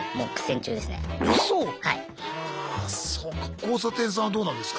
交差点さんはどうなんですか？